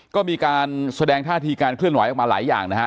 ก็มีการแสดงท่าทีการเคลื่อนไหวออกมาหลายอย่างนะฮะ